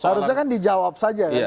seharusnya kan dijawab saja